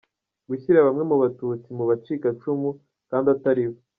Gushyira bamwe mu batutsi mu bacikacumu kandi ataribo